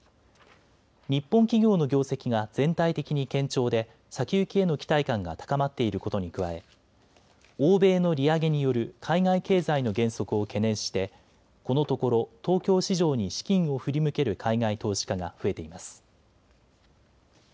日本企業の業績が全体的に堅調で先行きへの期待感が高まっていることに加え、欧米の利上げによる海外経済の減速を懸念してこのところ、東京市場に資金を振り向ける海外投資家が増えています。